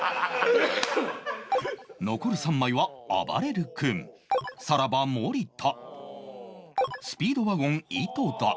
残る３枚はあばれる君さらば森田スピードワゴン井戸田